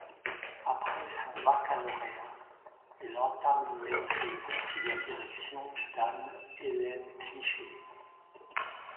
Après son baccalauréat, elle entame une maîtrise sous la direction d'Anne Élaine Cliche.